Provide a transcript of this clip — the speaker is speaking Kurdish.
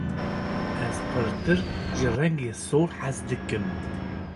Ez pirtir ji rengê sor hez dikim.